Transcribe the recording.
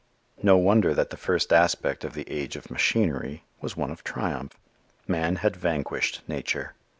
No wonder that the first aspect of the age of machinery was one of triumph. Man had vanquished nature.